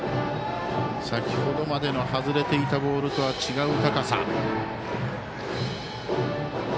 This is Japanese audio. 先ほどまでの外れていたボールとは違う高さ。